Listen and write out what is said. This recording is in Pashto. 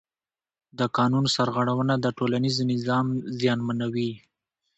د قانون سرغړونه د ټولنیز نظم زیانمنوي